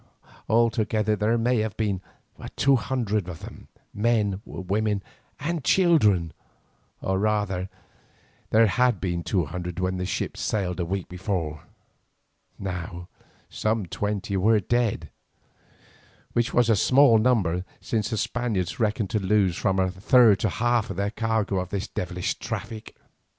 Altogether there may have been two hundred of them, men, women and children, or rather there had been two hundred when the ship sailed a week before. Now some twenty were dead, which was a small number, since the Spaniards reckon to lose from a third to half of their cargo in this devilish traffic.